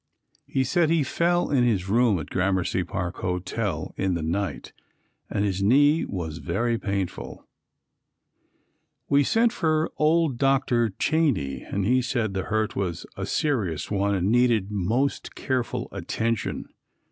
He said he fell in his room at Gramercy Park Hotel in the night, and his knee was very painful. We sent for old Dr. Cheney and he said the hurt was a serious one and needed most careful attention.